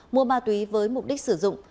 mua ma túy với mục đích sử dụng